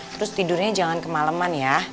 terus tidurnya jangan kemaleman ya